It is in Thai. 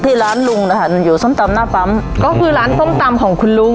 ที่ร้านลุงนะคะอยู่ส้มตำหน้าปั๊มก็คือร้านส้มตำของคุณลุง